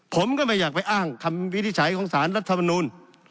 ผมก็ไม่อยากไปอ้างคำวินิจฉัยของสารรัฐมนูล